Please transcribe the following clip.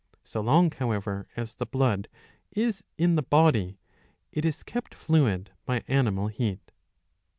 '" So long however as the blood is in the body, it is kept fluid by animal heat.